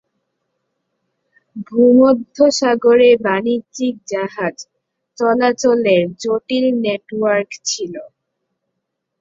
ভূমধ্যসাগরে বাণিজ্যিক জাহাজ চলাচলের জটিল নেটওয়ার্ক ছিল।